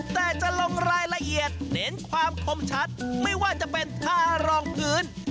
แต่จะลงรายละเอียดเน้นความคมชัดไม่ว่าจะเป็นทารองพื้น